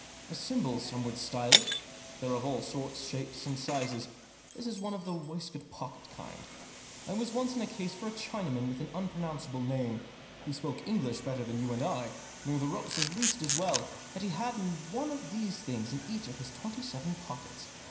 A symbol some would style it. They're of all sorts, shapes and sizes ; that is one of the waistcoat pocket kind. I was once in a case for a Chinaman with an unpronounce able name. He spoke English better than you and I, knew the ropes at least as well, yet he had one of these things in each of about twenty seven pockets.